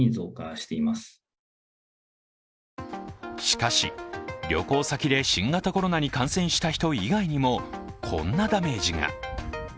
しかし、旅行先で新型コロナに感染した人以外にもこんなダメージが。